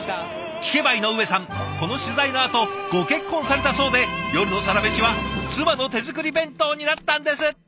聞けば井上さんこの取材のあとご結婚されたそうで夜のサラメシは妻の手作り弁当になったんですって！